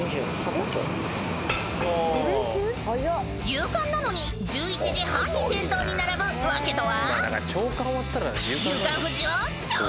［夕刊なのに１１時半に店頭に並ぶ訳とは］